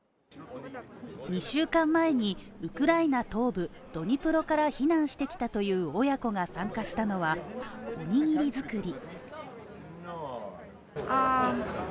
２週間前に、ウクライナ東部ドニプロから避難してきたという親子が参加したのはおにぎり作り。